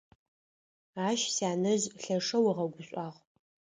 Ащ сянэжъ лъэшэу ыгъэгушӀуагъ.